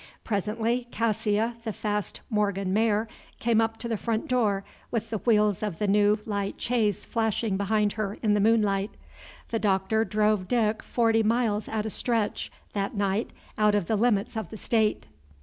Presently, Cassia, the fast Morgan mare, came up to the front door, with the wheels of the new, light chaise flashing behind her in the moonlight. The Doctor drove Dick forty miles at a stretch that night, out of the limits of the State.